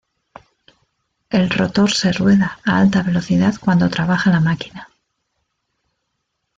El rotor se rueda a alta velocidad cuando trabaja la máquina.